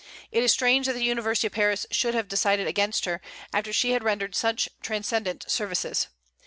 It is strange that the University of Paris should have decided against her, after she had rendered such transcendent services.